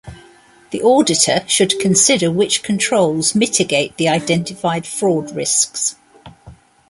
The auditor should consider which controls mitigate the identified fraud risks.